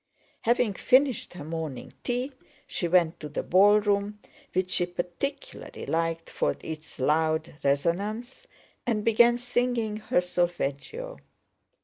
Having finished her morning tea she went to the ballroom, which she particularly liked for its loud resonance, and began singing her solfeggio.